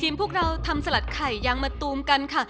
ทีมพวกเราทำสลัดไข่ยังมาตรวจส่ง